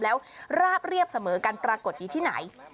แล้วราบเรียบเสมอกันปรากฏอยู่ที่ไหน